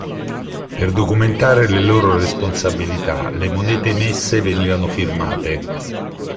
Per documentare le loro responsabilità le monete emesse venivano firmate.